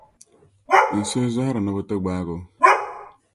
N suhu zɔhir’ ni bɛ ti gbaag o.